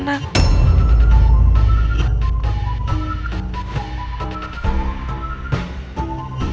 saya akan cerita soal ini